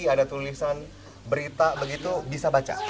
ada tulisan berita begitu bisa baca